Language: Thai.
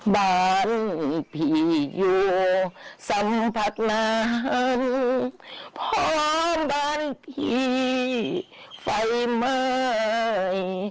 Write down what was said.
บ้านพี่อยู่สัมผัสนั้นพอบ้านพี่ไฟเมื่อย